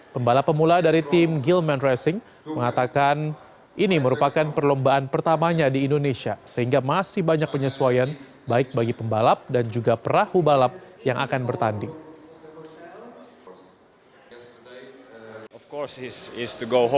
pembalap pemula dari tim gilman racing mengatakan ini merupakan perlombaan pertamanya di indonesia sehingga masih banyak penyesuaian baik bagi pembalap dan juga perahu balap yang akan bertanding